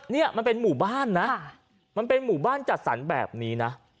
นี่มันเป็นหมู่บ้านนะมันเป็นหมู่บ้านจัดสรรแบบนี้นะ